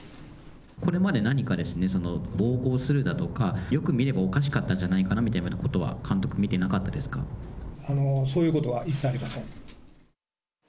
これまで何か暴行するだとか、よく見ればおかしかったんじゃないかなというようなことは、そういうことは一切ありません。